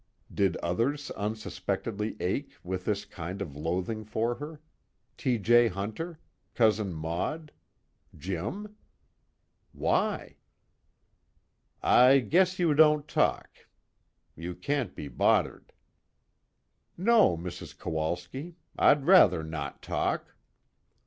Did others unsuspectedly ache with this kind of loathing for her? T. J. Hunter? Cousin Maud? Jim? Why? "I guess you don't talk, you can't be bod'ered." "No, Mrs. Kowalski, I'd rather not talk."